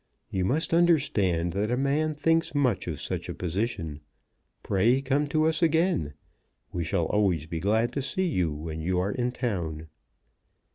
"You must understand that a man thinks much of such a position. Pray come to us again. We shall always be glad to see you when you are in town."